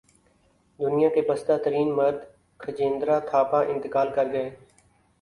دنیا کے پستہ ترین مرد کھجیندرا تھاپا انتقال کر گئے